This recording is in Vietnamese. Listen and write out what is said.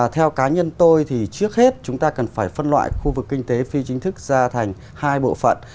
theo cá nhân tôi thì trước hết chúng ta cần phải phân loại khu vực kinh tế phi chính thức ra thành hai bộ phận